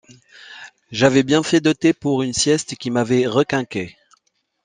J’avais bien fait d’opter pour une sieste qui m’avait requinqué.